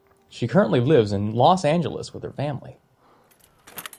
She currently lives in Los Angeles with her family.